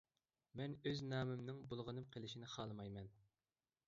مەن ئۆز نامىمنىڭ بۇلغىنىپ قېلىشىنى خالىمايمەن.